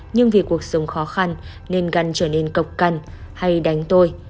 nhưng vì cuộc sống khó khăn nên căn trở nên cộc căn hay đánh tôi